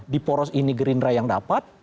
di poros ini gerindra yang dapat